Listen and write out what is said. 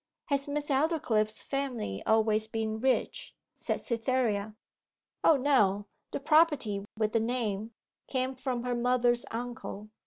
'Has Miss Aldclyffe's family always been rich?' said Cytherea. 'O no. The property, with the name, came from her mother's uncle.